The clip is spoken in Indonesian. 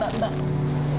mbak mbak mbak